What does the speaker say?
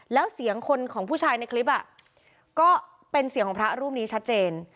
แล้วเสียงคนของผู้ชายในคลิปก็เป็นเสียงของพระรูปนี้ชัดเจน